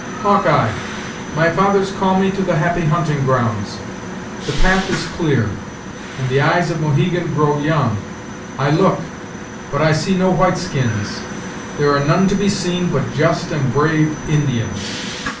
"Hawk eye! my fathers call me to the happy hunting grounds. The path is clear, and the eyes of Mohegan grow young. I look but I see no white skins; there are none to be seen but just and brave Indians.